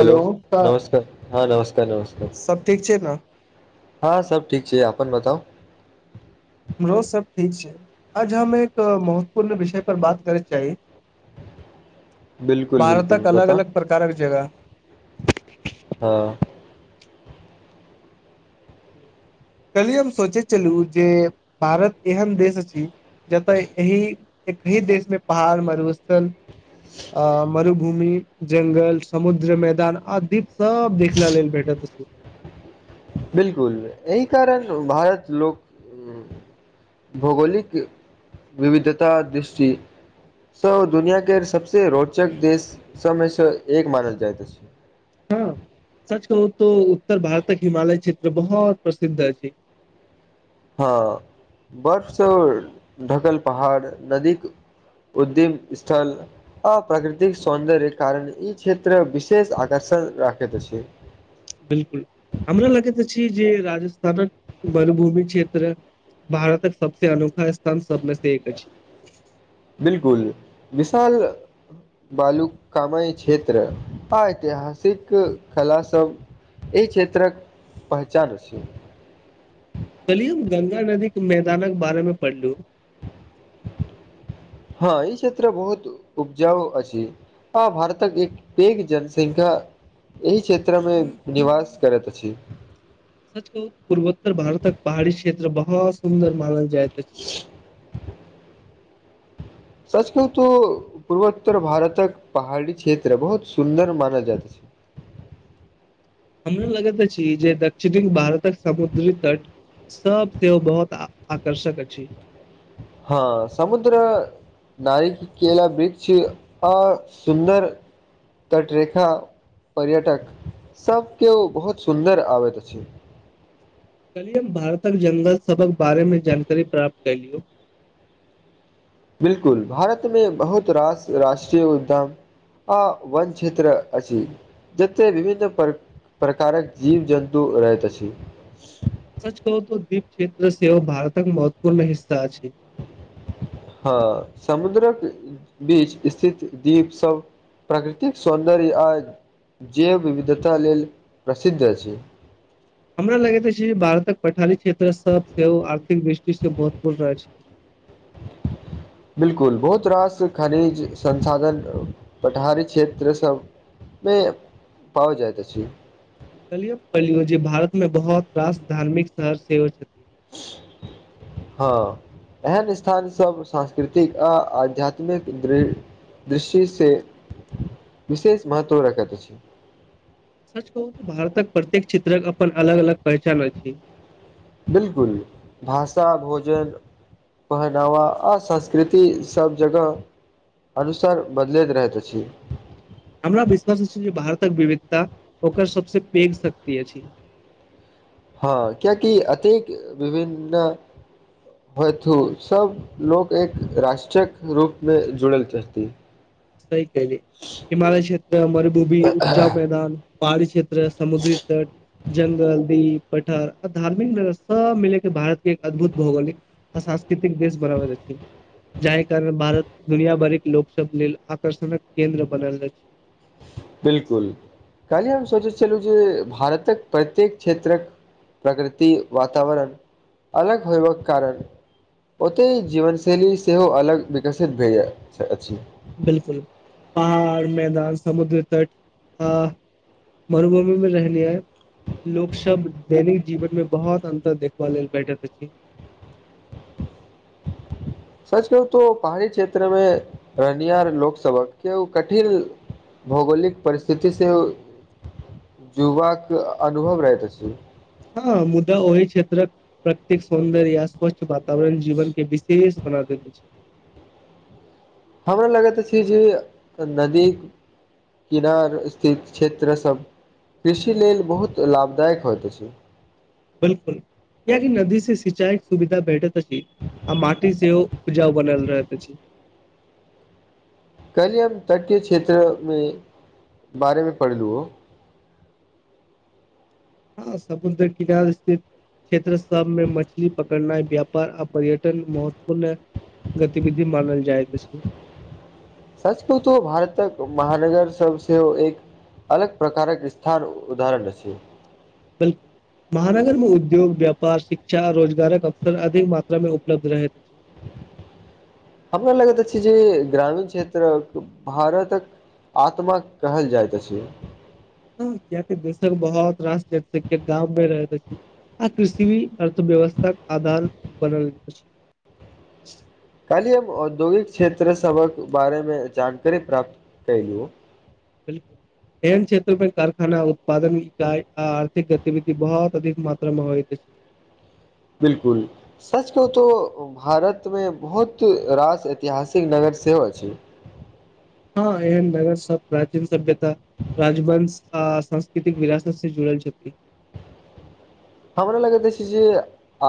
hello हँ नमस्कार नमस्कार सब ठीक छै ने हँ सब ठीक छै अपन बताउ हमरो सब ठीक छै आज हम एक महत्वपूर्ण विषय पर बात करै चाही बिलकुल बिलकुल भारतक अलग बताउ अलग प्रकारक जगह [unintelligible] कली हम सोचैत छललू जे भारत एहन देश अछि जतऽ एहि एकही देशमे पहाड़ मरुस्थल अ मरु भूमि जंगल समुद्र मैदान आदीप सब देखला लेल भेटैत छै [unintelligible] बिलकुल एहि कारण भारत लोक भौगोलिक विविधता दृष्टि स दुनिया के सबस रोचक देश सबमेसँ एक मानल जाय त छै हँ सच कहू तो उत्तर भारतक हिमालय क्षेत्र बहुत प्रसिद्ध अछि छै हँ बर्फसँ ढकल पहाड़ नदीक उद्दीम स्थल आ प्राकृतिक सौन्दर्य कारण ई क्षेत्र विशेष आकर्षण क राखै त छै बिल्कुल हमरा लगैत अछि जे राजस्थानक वरभूमि क्षेत्र भारतक सबसे अनोखा स्थान सबमे से एक अछि बिल्कुल विशाल बालू कामय क्षेत्र आ ऐतिहासिक कला सब एहि क्षेत्रक पहचान अछि कलि हम गंगा नदी के मैदानक बारेमे पढ़लू हँ ई क्षेत्र बहुत उप्जाउ अछि ह भारतक एक पैघ जनसंख्या एहि क्षेत्रमे निवास करैत अछि सच कहू पूर्वोत्तर भारतक पहाड़ी क्षेत्र बहुत सुन्दर मानल जायत अछि सच कहू तो पूर्वोत्तर भारतक पहाड़ी क्षेत्र बहुत सुन्दर माना जाइत अछि [inaudible] हमरा लगैत अछि जे दक्षिणी भारतक समुद्री तट सब सेहो बहुत आकर्षक अछि हँ समुद्र नारी केला ब्रिक्ष अ सुन्दर तटरेखा पर्यटक सब केओ बहुत सुन्दर आबैत अछि कलि यम भारतक जंगल सभक बारेमे जानकारी प्राप्त कलियौ [inaudible] बिल्कुल भारतमे बहुत रास राष्ट्रीय उद्यम आ वन क्षेत्र अछि जते विभिन्न पर प्रकारक जीव जन्तु रहैत अछि सच कहू तो दीप क्षेत्र सेव भारतक महत्वपूर्ण हिस्सा अछि हँ समुद्रक बीच स्थित दीप सब प्राकृतिक सौन्दर्य आज जैव विविधता लेल प्रसिद्ध अछि हमरा लगैत अछि भारतक पठारी क्षेत्र सब सेहो आर्थिक दृष्टिस महत्वपूर्ण अछि [inaudible] बिल्कुल बहुत रास खनिज संसाधन पठारी क्षेत्र सब नहि पहुँच जाइत अछि कहलिय पलियो जे भारत मे बहुत रास धार्मिक शहर सेहो छ थि हँ एहन स्थान सब सांस्कृतिक आ आध्यात्मिक दृ- दृष्टि से विशेष महत्व रखैत अछि सच कहू त भारतक प्रत्येक चित्रक अपन अलग अलग पहचान अछि बिल्कुल भाषा भोजन पहनावा आ संस्कृति सब जगह अनुसार बदलैत रहैत अछि हमरा विश्वास छी जे भारतक विविधता ओकर सभसे पैघ शक्ति अछि [inaudible] हँ कियाकि एतेक विभिन्न भयथु सब लोक एक राष्ट्रीयक रूप मे जुड़ल रहथि सहि कयली हिमालय क्षेत्र मरुभूमी उपजाउ मैदान पहाड़ी क्षेत्र समुद्री तट जंगल दीप पठार आ धार्मिक नगर सब मिले के भारत के एक अद्भुत भौगोलिक आ सास् कृतिक देश बनाबैत अछि जाहि कारण भारत दुनिया भरि के लोक सब लेल आकर्षणक केन्द्र बनल अछि बिल्कुल कालहि हम सोचैत छलहुँ जे भारतक प्रत्येक क्षेत्रक प्रकृति वातावरण अलग होयबाक कारण ओतहि जीवन शैली सेहो अलग विकसित भेल यै अछि बिलकुल पहाड़ मैदान समुद्र तट आ मरुभूमि मे रहनिय लोक सब दैनिक जीवन मे बहुत अन्तर देखबा लेल बैठैत अछि [inaudible] सच कहु तो पहाड़ी क्षेत्रमे रहनिहार लोक सभक कियो कठिन भौगोलिक परिस्थितिसँ जीवाक अनुभव अछि हेलो मुदा ओहि क्षेत्रक प्रकृतिक सौन्दर्य या स्वच्छ वातावरण जीवन के विशेष बना दैत अछि हमरा लागैत अछि जे नदी किनार स्थित क्षेत्र सब कृषि लेल बहुत लाभदायक होइत अछि बिलकुल कियाकि नदी से सिंचाई सुविधा भेटत अछि आ माटी सेहो उपजाउ बनल रहैत अछि हम तट के क्षेत्र मे बारेमे पढ़लु हँ सममुन्द्र किनार स्थित क्षेत्र सबमे मछली पकड़नाइ व्यापार आ पर्यटन महत्वपूर्ण गतिविधि मानल जाइत अछि सच कहुं त भारतक महानगर सबसँ एक अलग प्रकारक स्थान उदरण अछि बिलकुल महानगर में उद्योग व्यापार शिक्षा आ रोजगारक अवसर अधिक मात्रा में उपलब्ध रहैत [inaudible] हमरा लगैत अछि जे ग्रामीण क्षेत्रक भारतक आत्मा कहल जाइत अछि कियाकी दशक बहुत रास लोग गाममे रहत अछि आ कृषिी अर्थव्यवस्था आधार बनेल छै कहलिए हम औद्योगिक क्षेत्र सभक बारेमे जानकारी प्राप्त कयलहु बिलकुल एहन क्षेत्रमें कारखाना उत्पादन इाई आ आर्थिक गतिविधि बहुत अधिक मात्रा मे होइत अछि [inaudible] बिलकुल सच कहु तो भारतमे बहुत रास ऐतिहासिक नगर सेहो अछि हँ ऐहन जगह सब प्राचीन सभ्यता राजवंश आ सांस्कृतिक विरासत से जुड़ल छथि हमरा लगैत अछि जे आ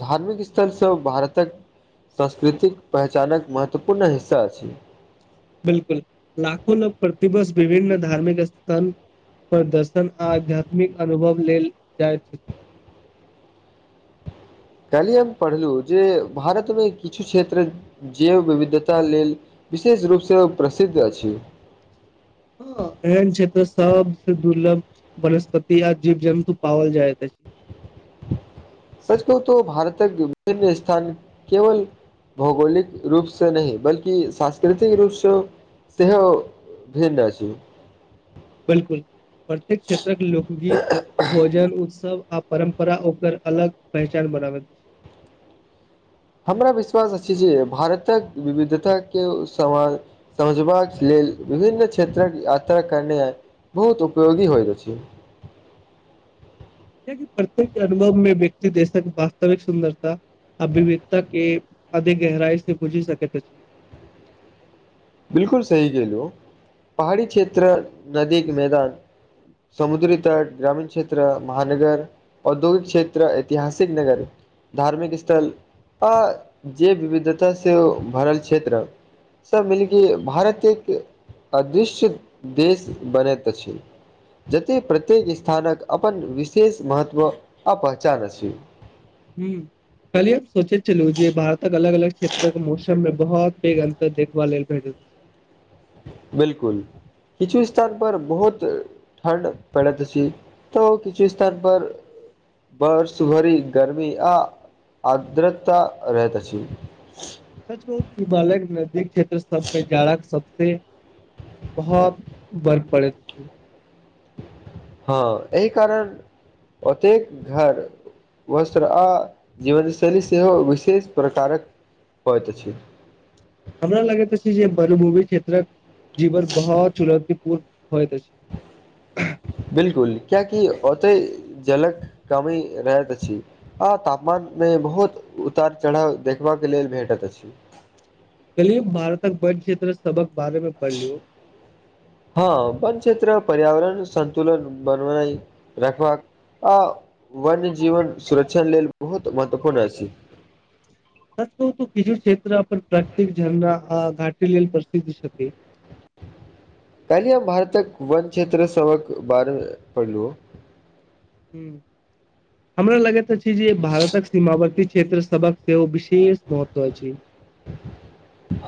धार्मिक स्थलसँ भारतक सांस्कृतिक पहचानक महत्वपूर्ण हिस्सा अछि बिलकुल लाखो लोक प्रतिबर्ष विभिन्न धार्मिक स्थान पर दर्शन आ आध्यात्मिक अनुभव लेल जाइत अछि [inaudible] कालहिए हम पढ़लहुँ जे भारतमे किछु क्षेत्र जैव विविधता लेल विशेष रूप से प्रसिद्ध अछि [inaudible] हँ एहेन छै तऽ सबसँ दुर्लभ वनस्पति आ जीव जन्तु पावल जाइत अछि [inaudible] सच कहू त भारतक विभिन्न स्थान केवल भौगोलिक रूपसँ नहि बल्कि सांस्कृतिक रूपसँ सेहो भिन्न अछि बिलकुल प्रत्येक क्षेत्रक लोकगीत भोजन उत्सव आ परम्परा ओकर अलग पहचान बनाबैत अछि हमरा विश्वास अछि जे भारतक विविधता के समा समझबाक लेल ल विभन्न क्षेत्रक यात्रा करने बहुत उपयोगी होइत अछि [inaudible] कियाकि प्रत्येक अनुभव मे व्यक्ति देशक वास्तविक सुन्दरता आ विविधता के अधिक गहराई से बुझि सकैत अछि बिल्कुल सही कलू पहाड़ी क्षेत्र नदी के मैदान समुद्री तट ग्रामीण क्षेत्र महानगर औद्योगिक क्षेत्र ऐतिहासिक नगर धार्मिक स्थल आ जे विविधता से भरल क्षेत्र सब मिलके भारत एक अदृश्य देश बनैत अछि जतेक प्रत्येक स्थानक अपन विशेष महत्व आ पहचान अछि ह्म कलि हम सोचेैत चलू जे भारतक अलग अलग क्षेत्रक मौसम मे बहुत पैघ अन्तर देखबा लेल भेटट बिल्कुल किछु स्थान पर बहुत ठण्ड पड़ैत अछि त किछु स्थान पर बर्ष भरी गरमी आ आर्द्रता रहत अछि सच कहु त हिमालयक नदी क्षेत्र सबमे जाड़ा सबसे बहुत बर्फ परैत अछि हँ एहि कारण ओतेक घर वस्त्र आ जीवनशैली सेहो विशेष प्रकारक होयत अछि हमरा लगैत अछि जे मरुभूमि क्षेत्रक जीवन बहुत चुनौति पूर्ण होयत अछि बिल्कुल कियाकि ओतेै जलक कमी रहैत अछि आ तापमान मे बहुत उतार चढ़ाव देखबा के लेल भेटैत अछि कहलिय भारतक बन क्षेत्र सबक हँ वन क्षेत्र पर्यावरण सन्तुलन बनवनाइ रखबाक आ वन्य जीवन सुरक्षण लेल बहुत महत्वपूर्ण अछि [inaudible] सच कहु त किछु क्षेत्र अपन प्राकतिक झरना आ घाट लेल प्रसिद्ध छथि [inaudible] कायलि हम भारतक वन क्षेत्र सभक बारे मे पढ़लु ह्म हमरा लगैत अछि जे भारतक सीमावर्ती क्षेत्र सभक सेहो विशेष महत्व अछि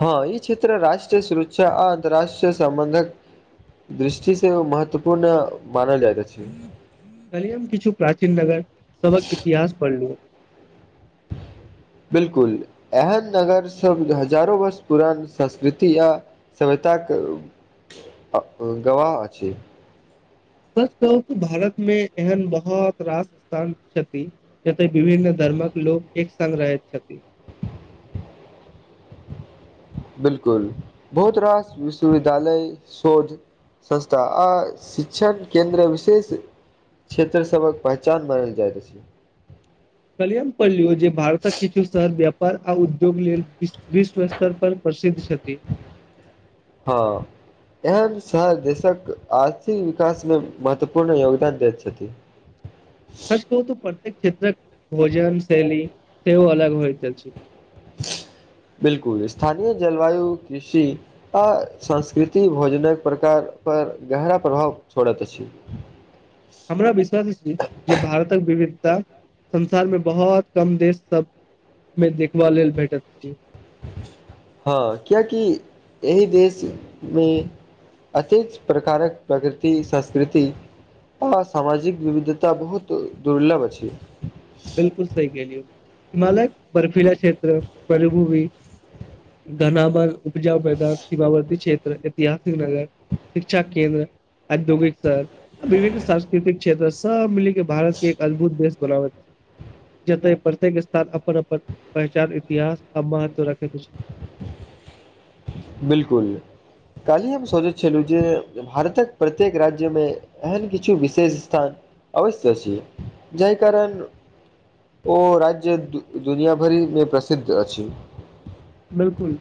हँ ई क्षेत्र राष्ट्रीय सुरुक्षा आ अन्तराष्ट्रीय सम्बन्धक दृष्टि से महत्वपूर्ण मानल जायत अछि कलिय हम किछु प्राचीन नगर सबक इतिहास पढ़लु [inaudible] बिल्कुल एहन नगर सब हजारो वर्ष पुरान संस्कृति आ स ताक गवाह अछि सच कहु त भारत मे एहन बहुत रास स्थान छथि जते विभिन्न धर् र्मक लोक एक संग रहै छथि बिलकुल बहुत रास विश्वविदालय शोध संस्था आ शिक्षण केन्द्र विशेष क्षेत्र सबक पहचान बनल जाइत अछि कलियम पढ़लियौ जे भारतक किछु शहर व्यापार आ उद्योग लेल वि विश्व स्तर पर प्रसिद्ध छथि हँ एहन शहर देशक आर्थिक विकास मे महत्वपूर्ण योगदान दैत छथि सच कहू त प्रत्येक क्षेत्रक भोजन शैली सेहो अलग होइ अछि [unintelligible] बिलकुल स्थानीय जलवायु कृषि आ संस्कृति भोजनक प्रकार पर गहरा प्रभाव छोड़ा के छय हमरा विश्वास छी जे भारतक विभि संसार मे बहुत कम देश सब मे देखबा लेल भेटैत अछि हँ कियकि एहिह देशमे अतिच प्रकारक प्रकृति संस्कृति आ सामाजिक विविधता बहुत दुर्लभ अछि छै बिलकुल सही केलिए हिमालय बर्फीला क्षेत्र पलभूमि घनामन पूजा पद सीमावर्ती क्षेत्र ऐतिहासिक नगर शिक्षा केन्द्र औद्योगिक शहर विभिन्न सांस्कृतिक क्षेत्र सब मिलि के भारतके एक अद्भुत देश बनाब छै जत प्रत्येक स्थान अपन अपन पहचान इतिहास आ महत्व रखैत छै [unintelligible] बिलकुल काल्हि हम सोचैत छलहुँ जे भारतक प्रत्येक राज्यमे एहन किछु विशेष स्थान अवश्य छी जाहि कारण ओ राज्य दुनियाभरिमे प्रसिद्ध अछि बिलकुल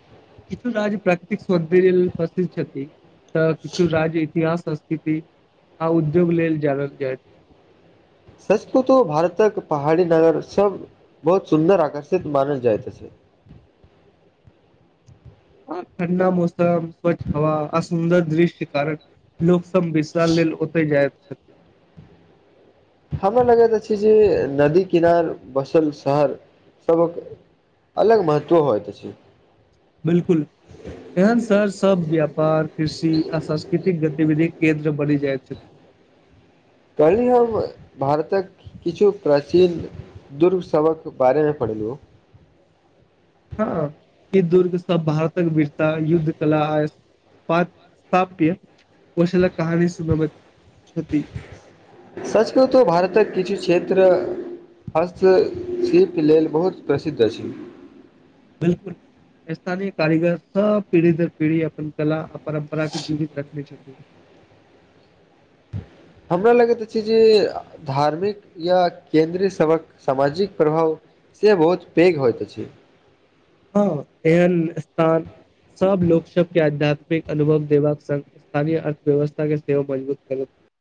इतना जे प्राकृतिक सौन्दर्य प्रसित छथि तऽ किछु राज्य इतिहास आ उद्योग लेल जनल जयछय सच कहूँ त भारतक पहाड़ी नगर सब बहुत सुन्दर आकर्षित मानल जात छै [unintelligible] ठण्डा मौसम स्वच्छ हवा आस सुन्दर दृश्य के कारण लोक म विशाल लेल ओते जाय हमरा लगैत अछि जे नदी किनार बसल शहर सबक अलग महत्व होइ प छै बिलकुल एहन शहर सब व्यापार कृषि आ सांस्कृतिक गतिविधिक केन्द्र बनि जाइत छथि कहली हम भारतक किछु प्राचीन दुर्सक बारेमे पढ़लू हँ य दुर्ग सब भारतक वीरता युद्ध कला स्थाप्य कुशलक कहानी सुनाबैत सच्च कहु त भारतक कृषि क्षेत्र हस्तशिल्प लेल बहुत प्रसिद्ध अछि बिलकुल स्थानीय कारीगर सब पीढ़ी दर पीढ़ी अपन कला परम्परा के जीवित रखने छथिन हमरा लगैत अछि जे धार्मिक या केन्द्रीय सभक सामाजिक प्रभाव जे बहुत पैघ होइत छै हँ एहन स्थान सब लोक सबके आध्यात्मिक अनुभव देबाक संग स्थानीय अर्थव्यवस्था के सेवा मजबूत कर